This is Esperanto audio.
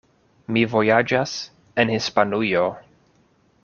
Mi vojaĝas en Hispanujo.